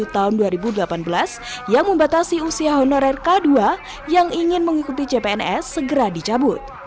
tahun dua ribu delapan belas yang membatasi usia honorer k dua yang ingin mengikuti cpns segera dicabut